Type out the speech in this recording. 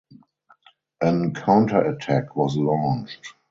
An counterattack was launched.